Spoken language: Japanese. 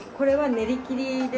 練り切り。